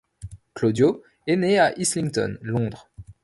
Claudio est né à Islington, Londres.